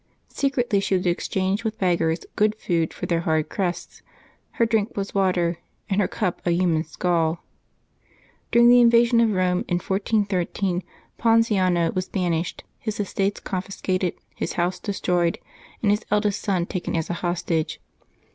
Secretly she would exchange with beggars good food for their hard crusts ; her drink was water, and her cup a human skull. During the invasion of Eome, in 1413, Ponziano was banished, his estates confiscated, his house destroyed, and his eldest son taken as a hostage.